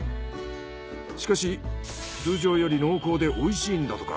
しかし通常より濃厚でおいしいんだとか。